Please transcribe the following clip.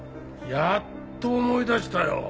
やっと思い出したよ。